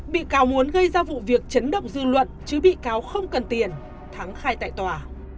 bị cáo muốn gây ra vụ việc chấn động dư luận chứ bị cáo không cần tiền thắng khai tại tòa